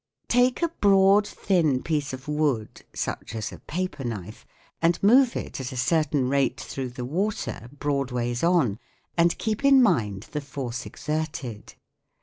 Take a broad, thin piece of wood, such as a paperknife, and move it at a certain rate through the water, broadways on, and keep in mind the force exerted.